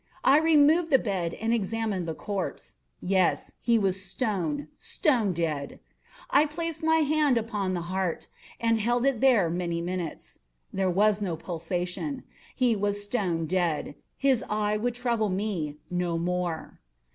I removed the bed and examined the corpse. Yes, he was stone, stone dead. I placed my hand upon the heart and held it there many minutes. There was no pulsation. He was stone dead. His eye would trouble me no more.